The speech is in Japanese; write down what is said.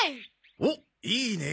おっいいねえ。